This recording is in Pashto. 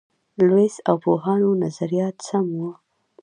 لویس او پوهانو نظریات سم وو.